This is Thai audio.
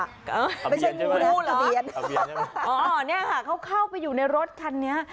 ทะเบียนใช่ไหมทะเบียนอ๋อเนี่ยค่ะเขาเข้าไปอยู่ในรถคันนี้